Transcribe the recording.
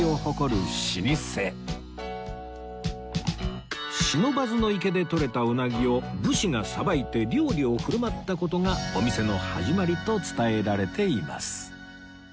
不忍池でとれたうなぎを武士がさばいて料理を振る舞った事がお店の始まりと伝えられています